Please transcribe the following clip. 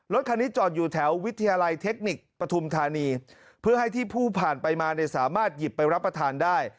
รถคันนี้จอดอยู่แถววิทยาลัยเทคนิคปฐุมธานีเพื่อให้ที่ผู้ผ่านไปมาเนี่ยสามารถหยิบไปรับประทานได้